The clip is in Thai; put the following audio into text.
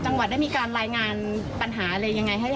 จังหวัดได้มีการรายงานปัญหาอะไรยังไงให้